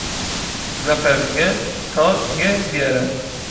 "Zapewnie, to nie wiele."